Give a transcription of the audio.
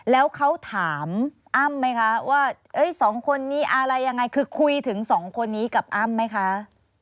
แล้วเขาถามอ้ำไหมคะว่าสองคนนี้อะไรยังไงคือคุยถึงสองคนนี้กับอ้ำไหมคะ